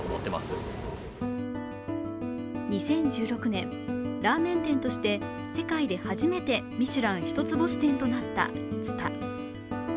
２０１６年、ラーメン店として世界で初めてミシュラン一つ星店となった蔦。